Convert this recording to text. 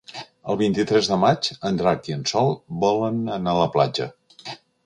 El vint-i-tres de maig en Drac i en Sol volen anar a la platja.